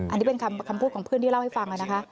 อันนี้เป็นคำพูดของเพื่อนที่เล่าให้ฟังนะคะ